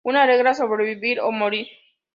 Una regla: sobrevivir o morir.